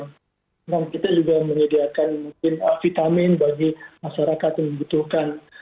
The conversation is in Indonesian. memang kita juga menyediakan mungkin vitamin bagi masyarakat yang membutuhkan